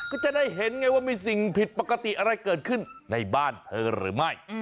ก็จะได้เห็นไงว่ามีสิ่งผิดปกติอะไรเกิดขึ้นในบ้านเธอหรือไม่